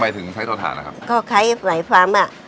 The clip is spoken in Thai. ถึงใช้เตาถ่านนะครับก็ใช้ไหวฟาร์มอ่ะ